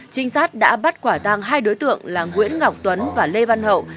trinh sát đã bắt quả tăng hai đối tượng là nguyễn ngọc tuấn và lê văn hậu